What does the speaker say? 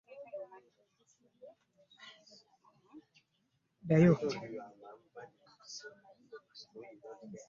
Onjiggiriza ebintu bingi byembade simanyi.